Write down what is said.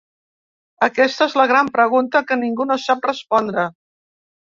Aquesta és la gran pregunta que ningú no sap respondre.